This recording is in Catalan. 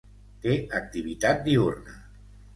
Té activitat diürna.